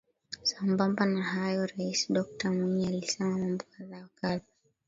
Sambamba na hayo Rais Dokta Mwinyi alisema mambo kadha wa kadha